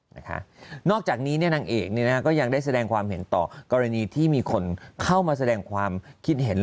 นอกจากนี้นางเอกก็ยังได้แสดงความเห็นต่อกรณีที่มีคนเข้ามาแสดงความคิดเห็น